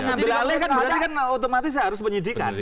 kalau mengambil alih kan berarti kan otomatis harus penyidikan